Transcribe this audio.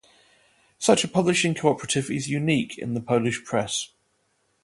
Such a publishing cooperative is unique in the Polish press.